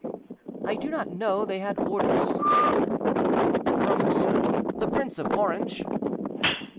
"I do not know; they had orders." "From whom—the Prince of Orange?"